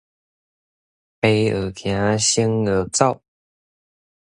未學走，先學跑